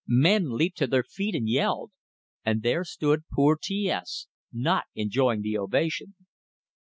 Men leaped to their feet and yelled. And there stood poor T S not enjoying the ovation!